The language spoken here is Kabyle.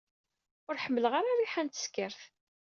Ur ḥemmleɣ ara rriḥa n teskert.